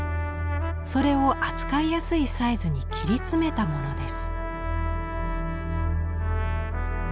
それを扱いやすいサイズに切り詰めたものです。